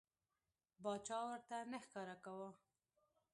باچا ورته نه ښکاره کاوه.